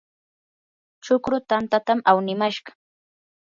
chukru tantatam awnimashqa.